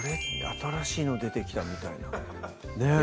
新しいの出てきた」みたいなねっ